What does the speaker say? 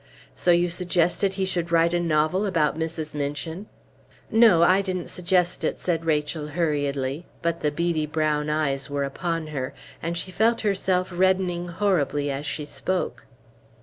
"So you suggested he should write a novel about Mrs. Minchin!" "No, I didn't suggest it," said Rachel, hurriedly; but the beady brown eyes were upon her, and she felt herself reddening horribly as she spoke.